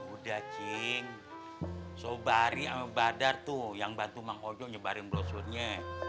udah cing so bari ama badar tuh yang bantu mang ojo nyebarin blosurnya